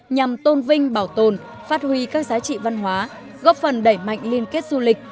nhằm tôn vinh bảo tồn phát huy các giá trị văn hóa góp phần đẩy mạnh liên kết du lịch